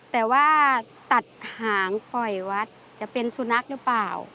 แต่ว่าตัดหางปล่อยวัดจะเป็นสุนัขหรือเปล่า